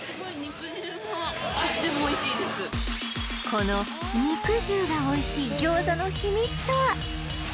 この肉汁がおいしい餃子の秘密とは？